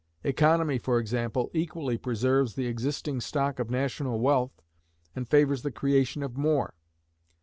Economy, for example, equally preserves the existing stock of national wealth, and favors the creation of more.